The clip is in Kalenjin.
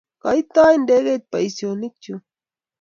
kaitou ndege boosionikchuch